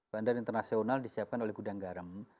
bandara internasional disiapkan oleh gudang garam